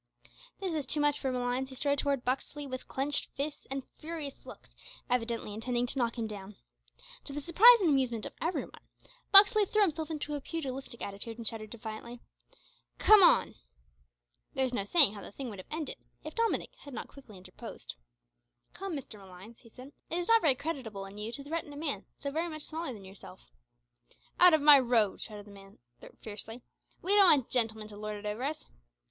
This was too much for Malines, who strode towards Buxley with clenched fists and furious looks, evidently intending to knock him down. To the surprise and amusement of every one, Buxley threw himself into a pugilistic attitude, and shouted defiantly, "Come on!" There is no saying how the thing would have ended, if Dominick had not quickly interposed. "Come, Mr Malines," he said, "it is not very creditable in you to threaten a man so very much smaller than yourself." "Out of my road," shouted the mate, fiercely, "we don't want gentlemen to lord it over us."